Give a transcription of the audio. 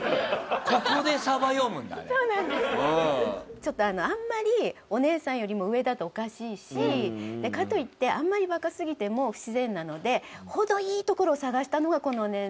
ちょっとあんまりお姉さんよりも上だとおかしいしかといってあんまり若すぎても不自然なのでほどいいところを探したのがこの年齢だったんですね。